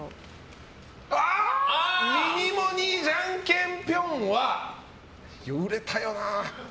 「ミニモニ。ジャンケンぴょん！」は売れたよな。